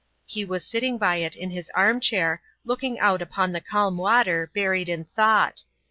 He was sitting by it in his arm chair, looking out upon the calm water, buried in thought.